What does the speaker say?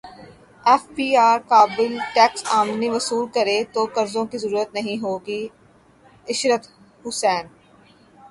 F B R قابل tax امدنی وصول کرے تو قرضوں کی ضرورت نہیں ہوگی عشرت حسین